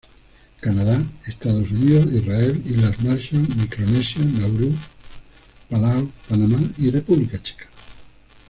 Canadá, Estados Unidos, Israel, Islas Marshall, Micronesia, Nauru, Palaos, Panamá y República Checa.